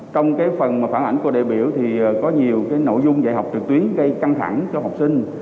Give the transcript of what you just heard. trong phần phản ảnh của đại biểu thì có nhiều nội dung dạy học trực tuyến gây căng thẳng cho học sinh